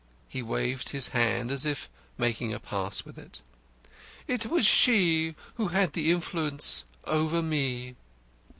He waved his hand as if making a pass with it. "It was she who had the influence over me."